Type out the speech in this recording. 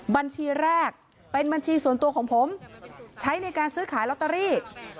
บัญชีแรกเป็นบัญชีส่วนตัวของผมใช้ในการซื้อขายลอตเตอรี่